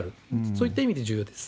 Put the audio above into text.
そういった意味で重要です。